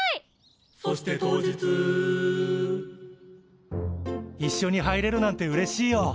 「そして当日」一緒に入れるなんてうれしいよ。